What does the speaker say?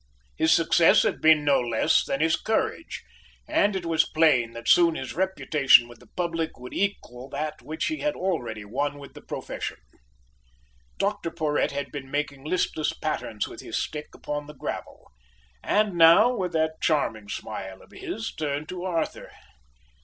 His success had been no less than his courage, and it was plain that soon his reputation with the public would equal that which he had already won with the profession. Dr Porhoët had been making listless patterns with his stick upon the gravel, and now, with that charming smile of his, turned to Arthur.